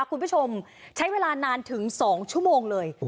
คุณผู้ชมใช้เวลานานถึง๒ชั่วโมงเลย